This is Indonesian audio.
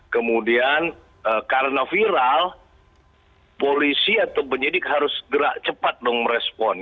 kemudian karena viral polisi atau penyidik harus gerak cepat dong merespon